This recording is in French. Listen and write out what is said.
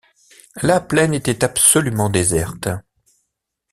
La plaine était absolument déserte.